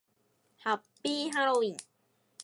ハッピーハロウィン